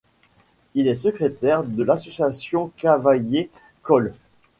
Il est secrétaire de l'association Cavaillé-Coll.